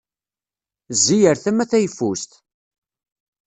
Zzi ar tama tayeffust!